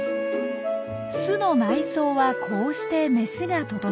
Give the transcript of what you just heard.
巣の内装はこうしてメスが整えます。